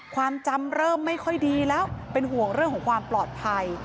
ความจำเริ่มไม่ค่อยดีแล้วเป็นห่วงเรื่องของความปลอดภัย